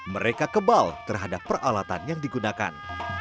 mereka kebal terhadap peralatan yang digunakan